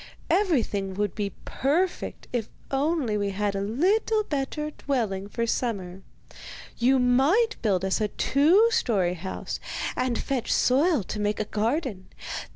'Everything would now be perfect if only we had a little better dwelling for summer. You might build us a two storey house, and fetch soil to make a garden.